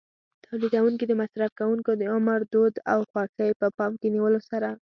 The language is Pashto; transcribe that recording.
تولیدوونکي د مصرف کوونکو د عمر، دود او خوښۍ په پام کې نیولو سره.